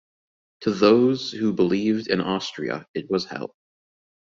To those who believed in Austria it was hell.